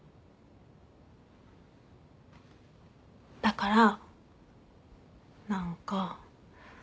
だから何か。